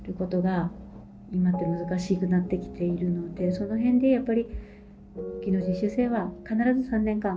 その辺でやっぱり。